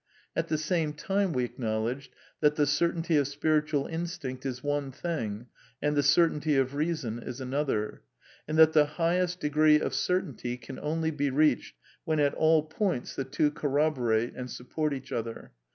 At the same time we acknowledged that the certainty of spiritual instinct is one thing, and the certainty of reason is another ; and that the highest degree of certainty can only be reached when at all points the two corroborate and support each other.